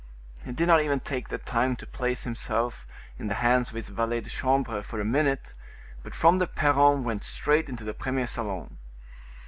He did not even take the time to place himself in the hands of his valet de chambre for a minute, but from the perron went straight into the premier salon.